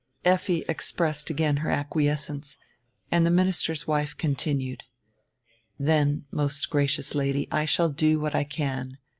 Effi expressed again her acquiescence, and the minister's wife continued: "Then, most gracious Lady, I shall do what I can.